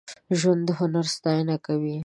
ژوندي د هنر ستاینه کوي